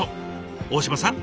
大嶋さん